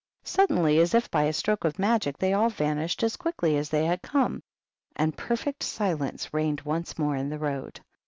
Suddenly, as if by a stroke of magic, they all vanished as quickly as they had come, and perfect silence reigned once more in the road.